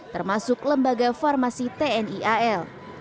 termasuk lembaga farmasi tni al